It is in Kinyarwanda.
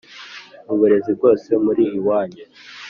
mubuzire bwose muri iwanyu